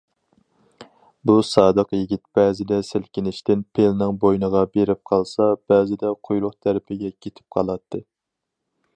بۇ سادىق يىگىت بەزىدە سىلكىنىشتىن پىلنىڭ بوينىغا بېرىپ قالسا بەزىدە قۇيرۇق تەرىپىگە كېتىپ قالاتتى.